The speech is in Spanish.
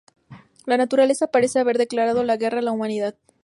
La naturaleza parece haber declarado la guerra a la Humanidad.